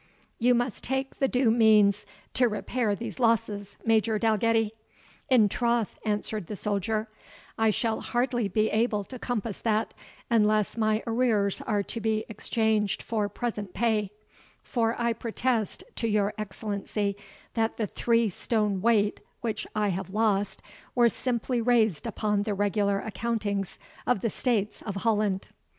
"You must take the due means to repair these losses, Major Dalgetty." "In troth," answered the soldier, "I shall hardly be able to compass that, unless my arrears are to be exchanged for present pay; for I protest to your Excellency, that the three stone weight which I have lost were simply raised upon the regular accountings of the States of Holland."